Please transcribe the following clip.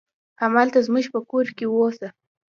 همالته زموږ په کور کې اوسه.